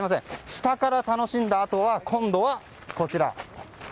下から楽しんだあとは今度はこちら。